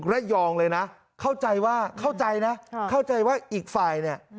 ระยองเลยนะเข้าใจว่าเข้าใจนะเข้าใจว่าอีกฝ่ายเนี่ย